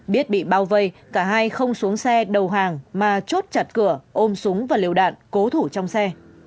biết bị bao vây cả hai không xuống xe đầu hàng mà chốt chặt cửa ôm súng và liều đạn cố thủ trong xe